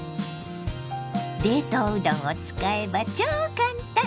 冷凍うどんを使えば超簡単！